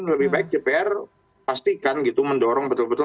lebih baik dpr pastikan gitu mendorong betul betul